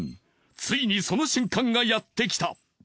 ついにその瞬間がやってきた！